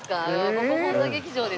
ここ本多劇場ですよ。